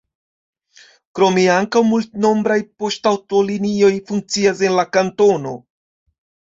Krome ankaŭ multnombraj poŝtaŭtolinioj funkcias en la kantono.